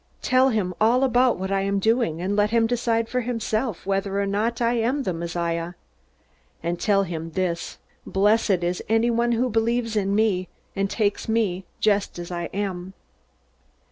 Tell him all about what I am doing, and let him decide for himself whether or not I am the Messiah. And tell him this: Blessed is anyone who believes in me, and takes me just as I am!"